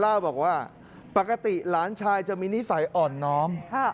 เล่าบอกว่าปกติหลานชายจะมีนิสัยอ่อนน้อม